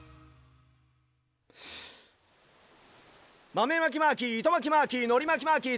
まめまきマーキーいとまきマーキーのりまきマーキー